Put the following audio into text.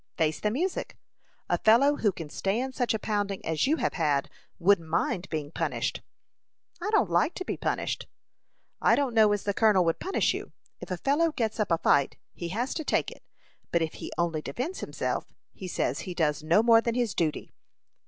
"Face the music. A fellow who can stand such a pounding as you have had, wouldn't mind being punished." "I don't like to be punished." "I don't know as the colonel would punish you. If a fellow gets up a fight, he has to take it; but if he only defends himself, he says he does no more than his duty."